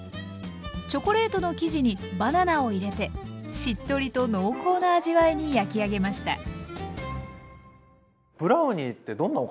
チョコレートの生地にバナナを入れてしっとりと濃厚な味わいに焼き上げました。